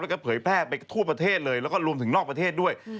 แล้วก็เผยแพร่ไปทั่วประเทศเลยแล้วก็รวมถึงนอกประเทศด้วย